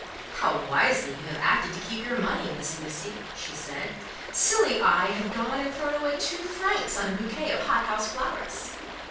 "How wisely you have acted to keep your money, Miss Lucie," she said: "silly I have gone and thrown away two francs on a bouquet of hot house flowers!"